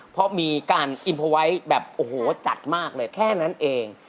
เพราะมีการอิมเพอร์ไว้แบบโอ้โหจัดมากเลยแค่นั้นเอง